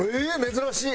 珍しい！